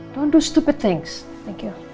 jangan lakukan hal hal bodoh